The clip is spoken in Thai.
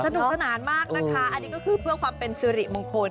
สนุกสนานมากนะคะอันนี้ก็คือเพื่อความเป็นสิริมงคล